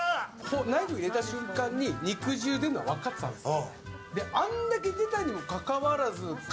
ナイフを入れた瞬間に肉汁出るのは分かってたんです。